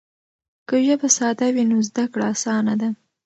که ژبه ساده وي نو زده کړه اسانه ده.